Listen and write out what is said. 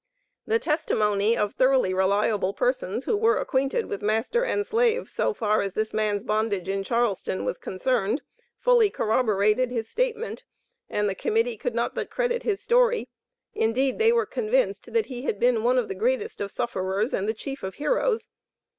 The testimony of thoroughly reliable persons, who were acquainted with master and slave, so far as this man's bondage in Charleston was concerned, fully corroborated his statement, and the Committee could not but credit his story; indeed they were convinced, that he had been one of the greatest of sufferers and the chief of heroes.